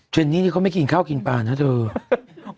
นี่นี่เขาไม่กินข้าวกินปลานะเธอ